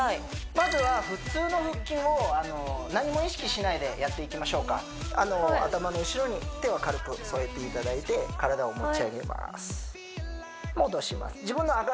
まずは普通の腹筋を何も意識しないでやっていきましょうかあの頭の後ろに手を軽く添えていただいて体を持ち上げます戻します